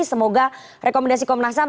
semoga rekomendasi komnas ham